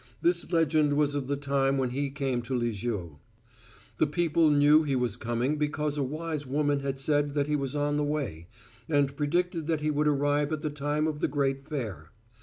This legend was of the time when he came to Lisieux. The people knew he was coming because a wise woman had said that he was on the way, and predicted that he would arrive at the time of the great fair.